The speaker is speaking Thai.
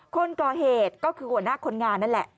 คนก่อเหตุก็คือหัวหน้าคนงานนั่นแหละ